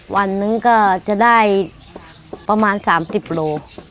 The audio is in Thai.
วันนึงก็จะได้ประมาณ๓๐โล